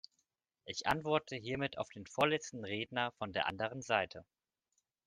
Ich antworte hiermit auf den vorletzten Redner von der anderen Seite.